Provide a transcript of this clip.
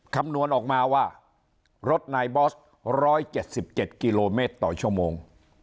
คำนวณออกมาว่ารถนายบอสร้อยเจ็ดสิบเจ็ดกิโลเมตรต่อชั่วโมง